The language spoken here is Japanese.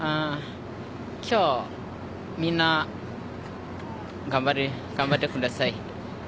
今日、みんな頑張ってください。